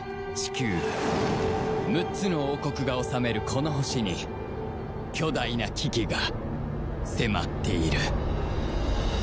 ６つの王国が治めるこの星に巨大な危機が迫っている